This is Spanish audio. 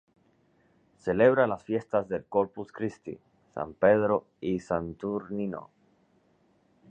Celebra las fiestas del Corpus Christi, san Pedro y san Saturnino.